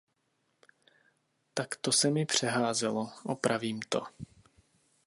Tak to se mi přeházelo, opravím to.